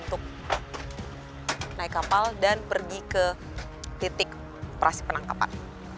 untuk naik kapal dan pergi ke titik operasi penangkapan